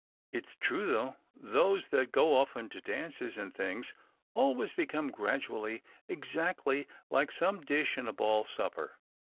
It's true, though, those that go often to dances and things always become gradually exactly like some dish in a ball supper.